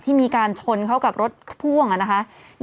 มีการชนเข้ากับรถพ่วงนะคะ